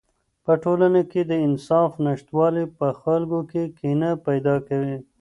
په ټولنه کې د انصاف نشتوالی په خلکو کې کینه پیدا کوي.